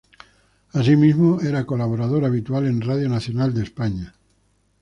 Asimismo, era colaborador habitual en Radio Nacional de España.